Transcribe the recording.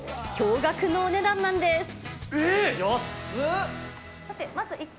驚がくのお値段なんです。